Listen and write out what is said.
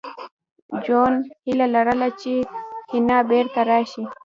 جون هیله لرله چې حنا بېرته راشي